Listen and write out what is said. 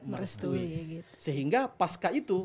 merestui sehingga pasca itu